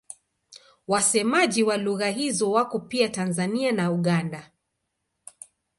Wasemaji wa lugha hizo wako pia Tanzania na Uganda.